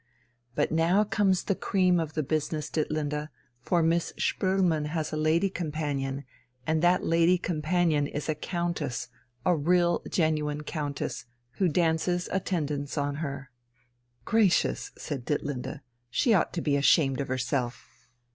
"But now comes the cream of the business, Ditlinde, for Miss Spoelmann has a lady companion, and that lady companion is a countess, a real genuine countess, who dances attendance on her." "Gracious!" said Ditlinde, "she ought to be ashamed of herself.